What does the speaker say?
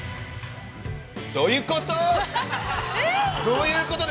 ◆どういうこと？